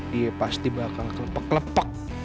dia pasti bakal kelepek kelepek